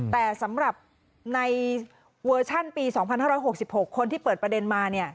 แต่สำหรับในเวอร์ชันปี๒๕๖๖คนที่เปิดประเด็นมา